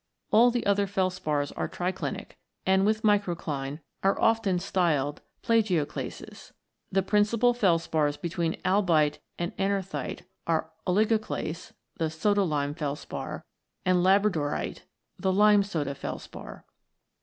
All the other felspars are triclinic, and, with microcline, are often styled plagio clases. The principal felspars between Albite and Anorthite are Oligoclase, the "soda lime felspar," and Labradorite, the "lime soda felspar."